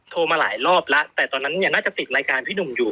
โทรมาหลายรอบแล้วแต่ตอนนั้นเนี่ยน่าจะติดรายการพี่หนุ่มอยู่